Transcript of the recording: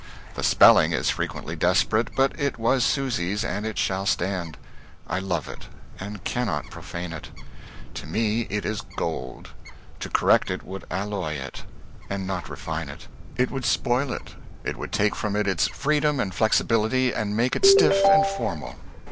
The spelling is frequently desperate, but it was Susy's, and it shall stand. I love it, and cannot profane it. To me, it is gold. To correct it would alloy it, not refine it. It would spoil it. It would take from it its freedom and flexibility and make it stiff and formal.